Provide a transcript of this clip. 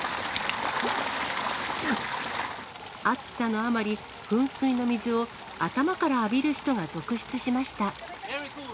暑さのあまり、噴水の水を頭から浴びる人が続出しました。